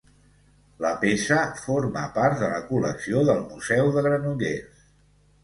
La peça forma part de la col·lecció del Museu de Granollers.